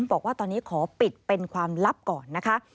บอกว่าตอนนี้ขอปิดเป็นความลับก่อนนะคะ